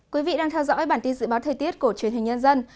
quý vị đang theo dõi bản tin dự báo thời tiết của truyền hình nhân dân